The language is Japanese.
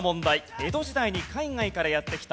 江戸時代に海外からやって来た